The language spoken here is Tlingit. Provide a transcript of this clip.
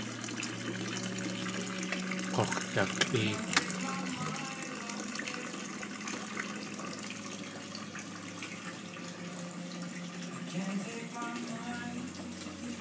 Gux̲dak̲ʼéekʼ.